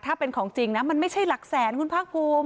ถ้าเป็นของจริงนะมันไม่ใช่หลักแสนคุณภาคภูมิ